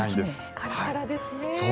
カラカラですね。